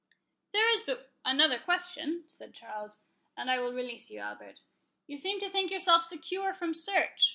"There is but another question," said Charles, "and I will release you, Albert:—You seem to think yourself secure from search.